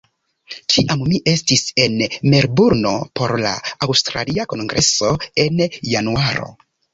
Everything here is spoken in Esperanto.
Kiam mi estis en Melburno por la aŭstralia kongreso en Januaro